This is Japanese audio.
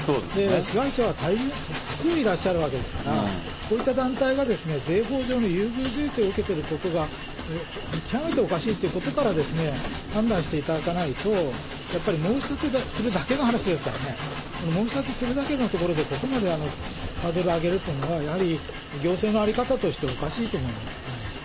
被害者は多数いらっしゃるわけですから、こういった団体が税法上の優遇税制を受けてることが、極めておかしいということから、判断していただかないと、やっぱり申し立てするだけの話ですからね、この申し立てするだけのところでここまでハードルを上げるというのは、やはり行政の在り方としておかしいと思います。